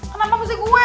kenapa mesti gue